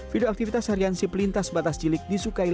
video aktivitas harian si pelintas batas cilik disukai lembut